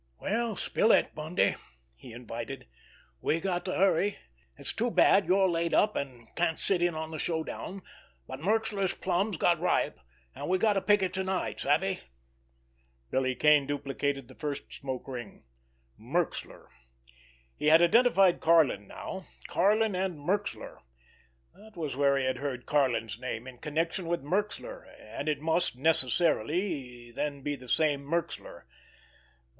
"Well, spill it, Bundy!" he invited. "We got to hurry! It's too bad you're laid up an' can't sit in on the showdown, but Merxler's plum's got ripe, an' we got to pick it to night. Savvy?" Billy Kane duplicated the first smoke ring. Merxler! He had identified Karlin now! Karlin and Merxler! That was where he had heard Karlin's name—in connection with Merxler—and it must, necessarily then be the same Merxler.